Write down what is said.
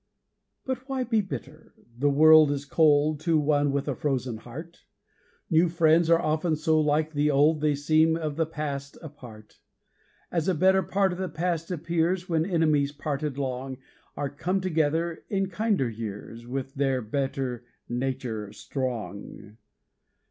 But why be bitter? The world is cold To one with a frozen heart; New friends are often so like the old, They seem of the past a part As a better part of the past appears, When enemies, parted long, Are come together in kinder years, With their better nature strong.